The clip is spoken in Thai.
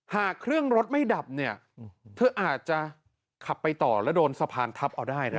หากเครื่องรถไม่ดับอาจจะขับไปต่อและโดนสะพานทัพเอาได้ครับ